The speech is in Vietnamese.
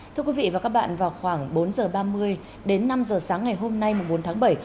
thưa quý vị và các bạn vào khoảng bốn giờ ba mươi đến năm h sáng ngày hôm nay bốn tháng bảy